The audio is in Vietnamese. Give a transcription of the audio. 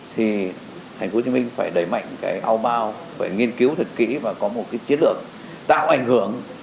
thì thành phố hồ chí minh phải đẩy mạnh cái ao bao phải nghiên cứu thật kỹ và có một cái chiến lược tạo ảnh hưởng